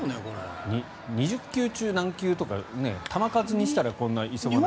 ２０球中何球とか球数にしたらこんなに急がないのに。